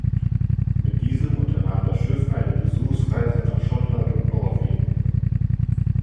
Mit diesem unternahm das Schiff eine Besuchsreise nach Schottland und Norwegen.